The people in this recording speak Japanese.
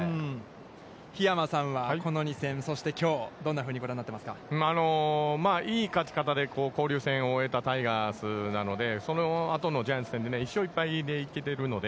桧山さんはこの２戦、そしてきょう、どんなふうにご覧になっていますか。いい勝ち方で交流戦を終えたタイガースなのでその後のジャイアンツ戦で、１勝１敗で行けているので。